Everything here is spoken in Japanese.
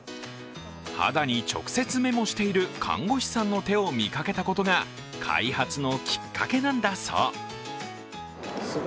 肌に直接メモしている看護師さんの手を見かけたことが開発のきっかけなんだそう。